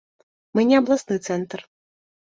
Мы не абласны цэнтр.